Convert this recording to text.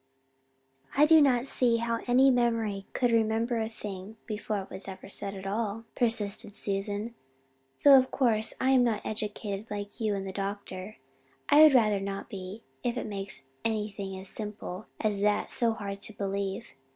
"I do not see how any memory could remember a thing before it was ever said at all," persisted Susan, "though of course I am not educated like you and the doctor. I would rather not be, if it makes anything as simple as that so hard to believe.